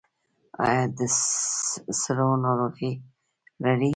ایا د سږو ناروغي لرئ؟